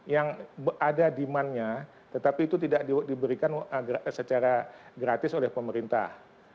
yang ada demandnya tetapi itu tidak diberikan secara gratis oleh pemerintah